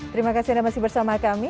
terima kasih anda masih bersama kami